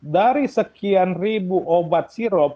dari sekian ribu obat sirup